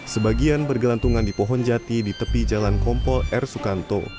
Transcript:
sebagian bergelantungan di pohon jati di tepi jalan kompol r sukanto